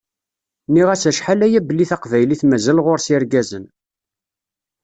Nniɣ-as acḥal aya belli taqbaylit mazal ɣur-s irgazen